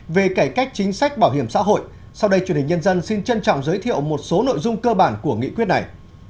về cải cách chính sách bảo hiểm xã hội sau đây truyền hình nhân dân xin trân trọng giới thiệu một số nội dung cơ bản của nghị quyết này